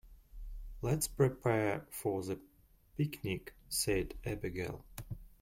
"Let's prepare for the picnic!", said Abigail.